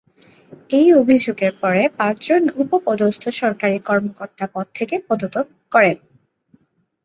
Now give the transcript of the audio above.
এই অভিযোগের পরে পাঁচ জন উচ্চপদস্থ সরকারী কর্মকর্তা পদ থেকে পদত্যাগ করেন।